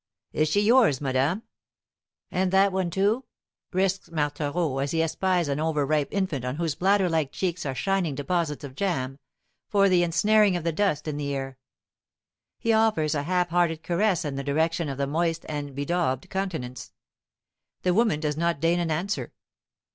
"Is she yours, madame?" "And that one, too?" risks Marthereau, as he espies an over ripe infant on whose bladder like cheeks are shining deposits of jam, for the ensnaring of the dust in the air. He offers a half hearted caress in the direction of the moist and bedaubed countenance. The woman does not deign an answer.